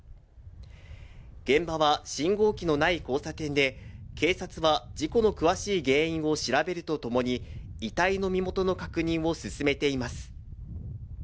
現場は信号機のない交差点で警察は事故の詳しい原因を調べるとともに、遺体の身元の確認を進めています。